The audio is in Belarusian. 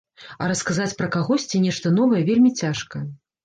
А расказаць пра кагосьці нешта новае вельмі цяжка.